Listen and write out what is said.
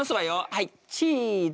はいチーズ！